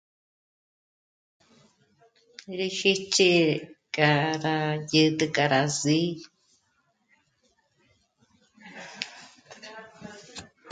Rí jích'i k'á rá yèd'ü k'a rá sǐ'i